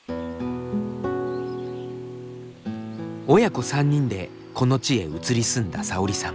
親子３人でこの地へ移り住んださおりさん。